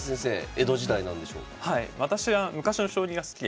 江戸時代なんでしょうか。